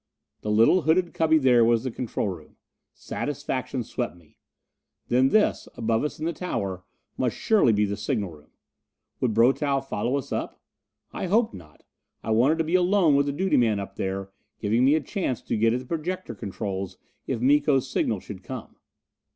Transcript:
The little hooded cubby there was the control room. Satisfaction swept me. Then this, above us in the tower, must surely be the signal room. Would Brotow follow us up? I hoped not. I wanted to be alone with the duty man up there, giving me a chance to get at the projector controls if Miko's signal should come.